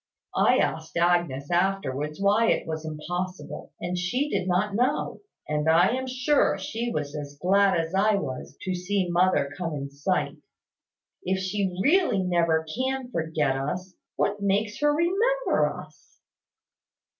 I asked Agnes afterwards why it was impossible; and she did not know; and I am sure she was as glad as I was to see mother come in sight. If she really never can forget us, what makes her remember us?"